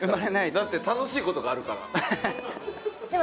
だって楽しい事があるから。